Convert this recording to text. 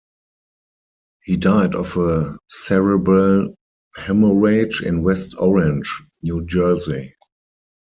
He died of a cerebral hemorrhage in West Orange, New Jersey.